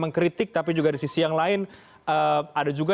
mengkritik tapi juga di sisi yang lain ada juga